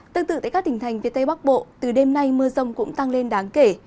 tương tự tại các tỉnh thành phía tây bắc bộ từ đêm nay mưa rông cũng tăng lên đáng kể